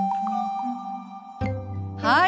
はい。